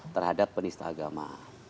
terhadap penista agama